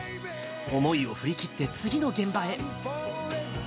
思いを振り切って次の現場へ。